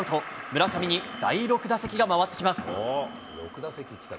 村上に第６打席が回ってきます。